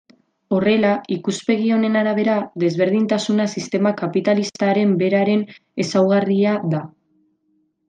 Horrela, ikuspegi honen arabera, desberdintasuna sistema kapitalistaren beraren ezaugarria da.